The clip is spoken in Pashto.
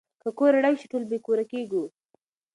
که کور ړنګ شي ټول بې کوره کيږو.